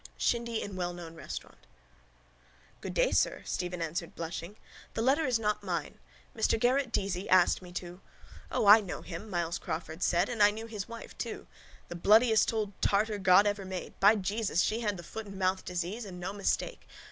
SHINDY IN WELLKNOWN RESTAURANT —Good day, sir, Stephen answered blushing. The letter is not mine. Mr Garrett Deasy asked me to... —O, I know him, Myles Crawford said, and I knew his wife too. The bloodiest old tartar God ever made. By Jesus, she had the foot and mouth disease and no mistake!